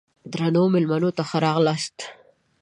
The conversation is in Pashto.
درنو مېلمنو ښه راغلاست!